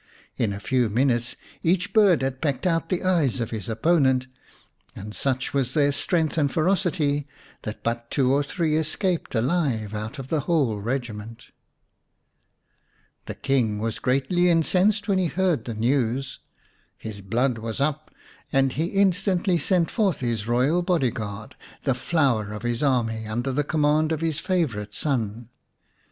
In a few minutes each bird had pecked out the eyes of his opponent, and such was their strength and ferocity that but two or three escaped alive out of the whole regiment. The King was greatly incensed when he heard the news. His blood was up, and he instantly sent forth his royal body guard, the flower of his army, under the command of his favourite son.